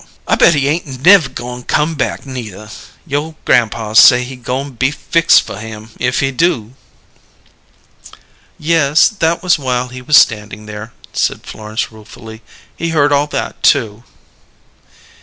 I bet he ain't nev' goin' come back neither. You' grampaw say he goin' be fix fer him, if he do." "Yes, that was while he was standing there," said Florence ruefully. "He heard all that, too."